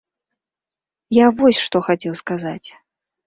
Я вось што хацеў сказаць.